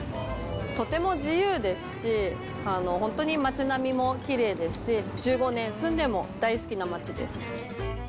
とても自由ですし、本当に街並みもきれいですし、１５年住んでも大好きな街です。